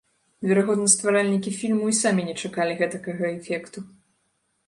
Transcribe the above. Верагодна, стваральнікі фільму і самі не чакалі гэтакага эфекту.